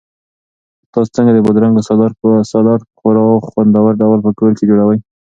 تاسو څنګه د بادرنګو سالاډ په خورا خوندور ډول په کور کې جوړوئ؟